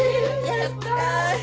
やったあ。